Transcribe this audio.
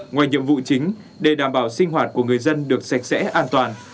ngoài nhiệm vụ chính để đảm bảo sinh hoạt của người dân được sạch sẽ an toàn